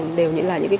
một số loài cây khác